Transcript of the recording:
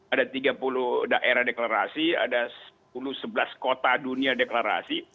ada tiga puluh daerah deklarasi ada sepuluh sebelas kota dunia deklarasi